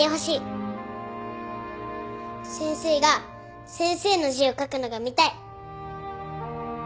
先生が先生の字を書くのが見たい。